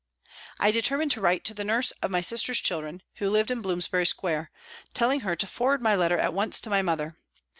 I determined to write to the nurse of my sister's children, who lived in Bloomsbury Square, telling her to forward my letter at once to my mother.